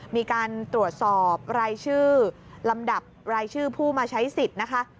มีการตรวจสอบรายชื่อลำดับรายชื่อผู้มาใช้สิทธิ์นะคะ